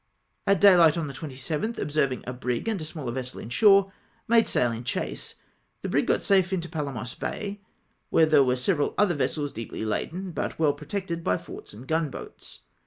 At dayhght on the 27th, observing a brig and a smaller vessel in shore, made sail in chase. The brisr got safe into Palamos Bay, where there were several other vessels deeply laden, but well protected by forts and gunboats.